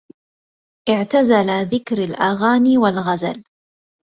اعتزل ذكر الأغاني والغزل